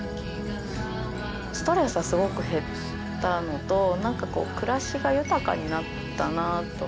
ストレスはすごく減ったのと何かこう暮らしが豊かになったなと。